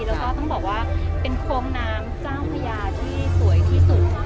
แล้วก็ต้องบอกว่าเป็นโค้งน้ำเจ้าพญาที่สวยที่สุด